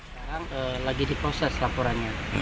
sekarang lagi diproses laporannya